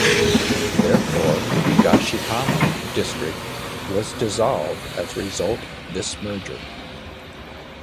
Therefore, Higashikamo District was dissolved as a result of this merger.